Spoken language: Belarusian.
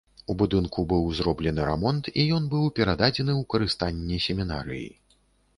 У будынку быў зроблены рамонт, і ён быў перададзены ў карыстанне семінарыі.